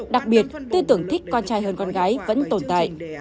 đặc biệt tư tưởng thích con trai hơn con gái vẫn tồn tại